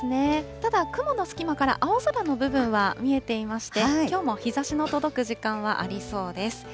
ただ、雲の隙間から青空の部分は見えていまして、きょうも日ざしの届く時間はありそうです。